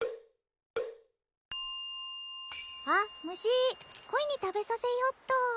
あっ虫鯉に食べさせようっと！